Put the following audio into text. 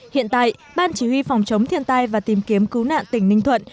hiện tại ban chỉ huy phòng chống thiên tai và tìm kiếm cứu nạn tỉnh ninh thuận